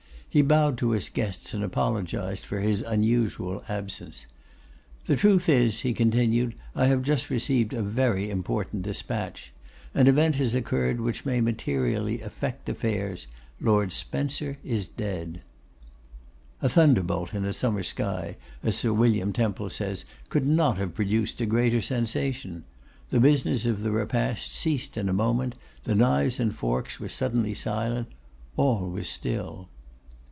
He bowed to his guests, and apologised for his unusual absence. 'The truth is,' he continued, 'I have just received a very important despatch. An event has occurred which may materially affect affairs. Lord Spencer is dead.' A thunderbolt in a summer sky, as Sir William Temple says, could not have produced a greater sensation. The business of the repast ceased in a moment. The knives and forks were suddenly silent. All was still.